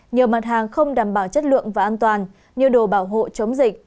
nhiều mặt hàng không đảm bảo chất lượng và an toàn như đồ bảo hộ chống dịch